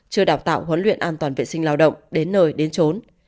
chưa đào tạo huấn luyện an toàn vệ sinh lao động đến nơi đến trốn